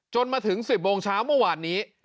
มาถึง๑๐โมงเช้าเมื่อวานนี้